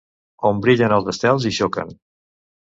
On brillen els estels i xoquen!